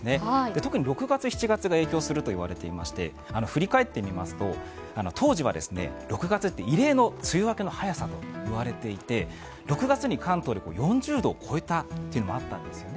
特に６月、７月が影響すると言われていまして、振り返ってみますと当時は６月って異例の梅雨明けの早さと言われていて６月に関東で４０度を超えたというのもあったんですよね。